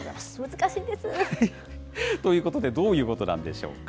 難しいですね。ということで、どういうことなんでしょうか。